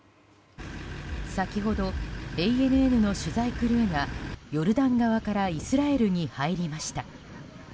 先ほどＡＮＮの取材クルーがヨルダン側からイスラエルに入りました。